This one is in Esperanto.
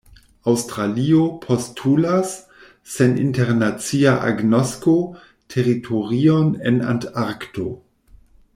Aŭstralio postulas, sen internacia agnosko, teritorion en Antarkto.